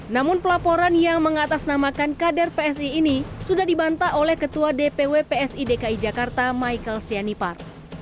namun pelaporan yang mengatasnamakan kader psi ini sudah dibantah oleh ketua dpw psi dki jakarta michael sianipar